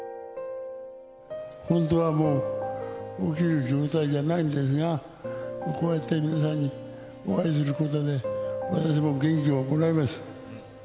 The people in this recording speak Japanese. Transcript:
本当はもう起きられる状態じゃないんですが、こうやって皆さんにお会いすることで、私も元気をもらえます。